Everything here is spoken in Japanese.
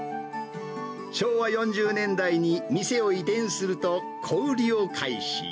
昭和４０年代に店を移転すると、小売りを開始。